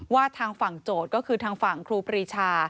ทางฝั่งโจทย์ก็คือทางฝั่งครูปรีชา